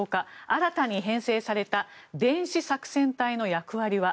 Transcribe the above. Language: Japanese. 新たに編成された電子作戦隊の役割は。